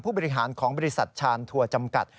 บริหารของบริษัทชานทัวร์จำกัด